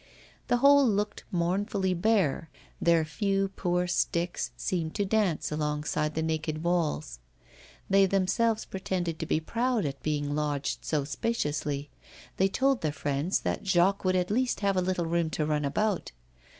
The whole looked mournfully bare; their few poor sticks seemed to dance alongside the naked walls. They themselves pretended to be proud at being lodged so spaciously; they told their friends that Jacques would at least have a little room to run about.